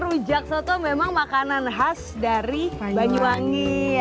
rujak soto memang makanan khas dari banyuwangi